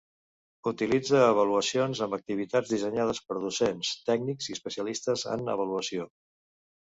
Utilitza avaluacions amb activitats dissenyades per docents, tècnics i especialistes en avaluació.